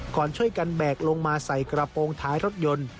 ก่อนช่วยกันแบกลงมาใส่กระโปรงท้ายรถยนต์